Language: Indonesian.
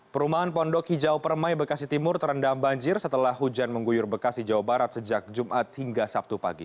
perumahan pondok hijau permai bekasi timur terendam banjir setelah hujan mengguyur bekasi jawa barat sejak jumat hingga sabtu pagi